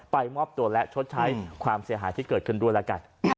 มอบตัวและชดใช้ความเสียหายที่เกิดขึ้นด้วยแล้วกัน